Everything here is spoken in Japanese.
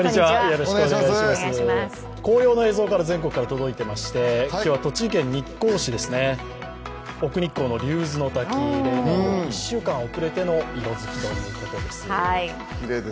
紅葉の映像が、全国から届いていまして、今日は栃木県日光市ですね、奥日光の竜頭ノ滝、１週間遅れての色づきということです。